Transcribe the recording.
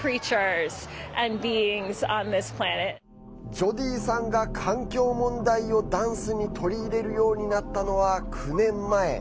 ジョディーさんが環境問題をダンスに取り入れるようになったのは９年前。